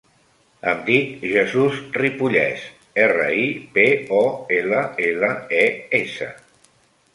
Em dic Jesús Ripolles: erra, i, pe, o, ela, ela, e, essa.